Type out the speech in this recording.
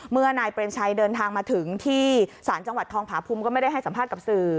นายเปรมชัยเดินทางมาถึงที่ศาลจังหวัดทองผาภูมิก็ไม่ได้ให้สัมภาษณ์กับสื่อ